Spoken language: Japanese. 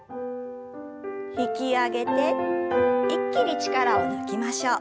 引き上げて一気に力を抜きましょう。